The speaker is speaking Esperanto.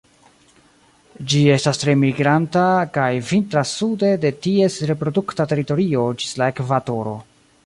Ĝi estas tre migranta kaj vintras sude de ties reprodukta teritorio ĝis la ekvatoro.